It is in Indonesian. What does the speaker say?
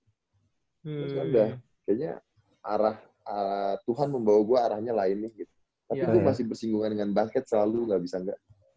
terus udah kayaknya arah tuhan membawa gue arahnya lain gitu tapi gue masih bersinggungan dengan basket selalu gak bisa enggak